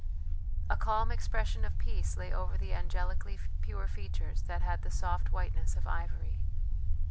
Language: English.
A calm expression of peace lay over the angelically pure features that had the soft whiteness of ivory.